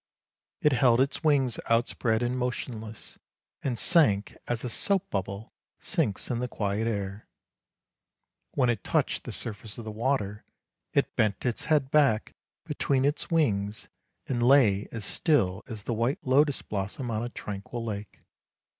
It held its wings out spread and motionless, and sank as a soap bubble sinks in the quiet air; when it touched the surface of the water, it bent its head back between its wings, and lay as still as the white lotus blossom on a tranquil lake.